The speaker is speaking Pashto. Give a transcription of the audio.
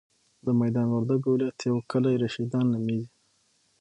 د ميدان وردګو ولایت یو کلی رشیدان نوميږي.